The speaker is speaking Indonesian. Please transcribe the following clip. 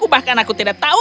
bahkan aku tidak tahu